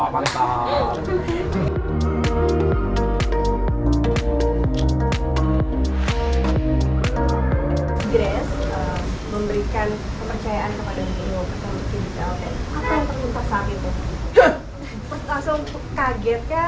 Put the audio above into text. apa yang terlalu sakit waktu itu